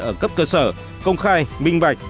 ở cấp cơ sở công khai minh bạch